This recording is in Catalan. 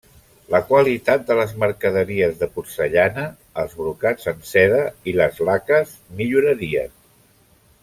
La qualitat de les mercaderies de porcellana, els brocats en seda i les laques millorarien.